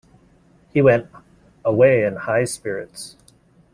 He went away in high spirits.